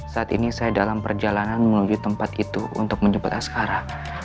saat ini saya dalam perjalanan menuju tempat itu untuk menjemput askara